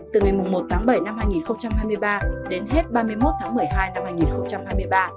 từ ngày một tháng bảy năm hai nghìn hai mươi ba đến hết ba mươi một tháng một mươi hai năm hai nghìn hai mươi ba